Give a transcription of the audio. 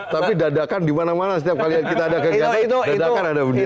tapi dadakan dimana mana setiap kali kita ada kegiatan dadakan ada bendera